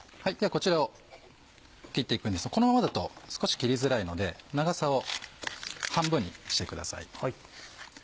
こちらを切って行くんですけどこのままだと少し切りづらいので長さを半分にしてください。